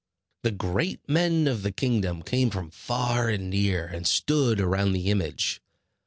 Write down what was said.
The great men of the kingdom came from far and near and stood around the image.